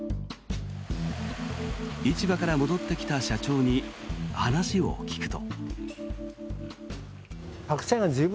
市場から戻ってきた社長に話を聞くと。